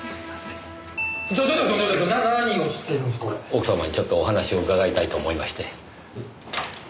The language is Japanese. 奥様にちょっとお話を伺いたいと思いまして。